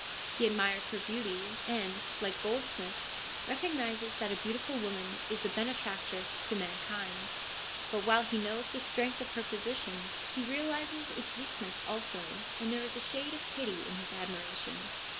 He admires her beauty, and, like Goldsmith, recognises that a beautiful woman is a benefactress to mankind. But while he knows the strength of her position, 144 FEMINISM IN GREEK LITERATURE he realises its weakness also, and there is a shade of pity in his admiration.